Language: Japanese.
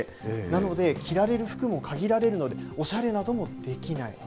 なので、着られる服も限られるので、おしゃれなどもできない。